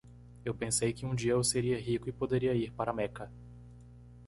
Eu pensei que um dia eu seria rico e poderia ir para Meca.